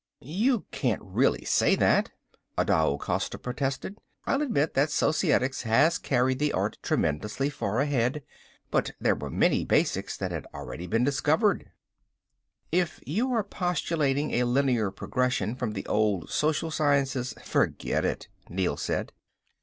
"You can't really say that," Adao Costa protested. "I'll admit that Societics has carried the art tremendously far ahead. But there were many basics that had already been discovered." "If you are postulating a linear progression from the old social sciences forget it," Neel said.